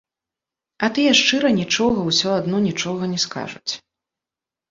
А тыя шчыра нічога ўсё адно нічога не скажуць.